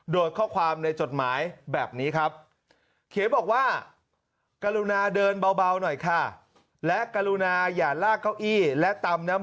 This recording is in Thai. โดยข้อความในจดหมายแบบนี้ครับ